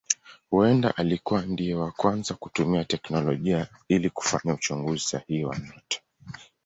Huenda alikuwa ndiye wa kwanza kutumia teknolojia ili kufanya uchunguzi sahihi wa nyota.